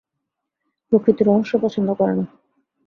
প্রকৃতি রহস্য পছন্দ করে না।